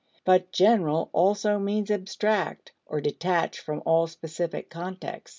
But "general" also means "abstract," or detached from all specific context.